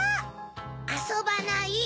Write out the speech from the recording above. あそばない！